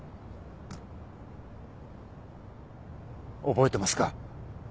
覚えてますか？